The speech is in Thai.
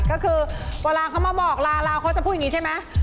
ก็คือเวลาเขามาบอกลาลาวเขาจะพูดอย่างนี้ใช่ไหม